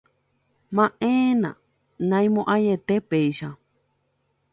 Ma'ẽna, naimo'ãiete péicha.